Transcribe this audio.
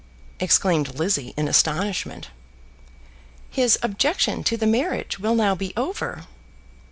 exclaimed Lizzie in astonishment. "His objection to the marriage will now be over."